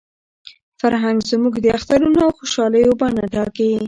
فرهنګ زموږ د اخترونو او خوشالیو بڼه ټاکي.